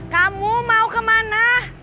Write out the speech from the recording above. kamu mau kemana